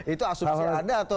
itu asumsi anda atau